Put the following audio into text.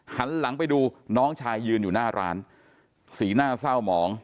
หันหลังไปดูน้องชายยืนอยู่หน้าร้านสีหน้าเศร้าหมอง